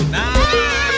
nah ya kan